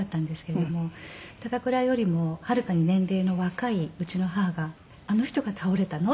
高倉よりもはるかに年齢の若いうちの母があの人が倒れたの？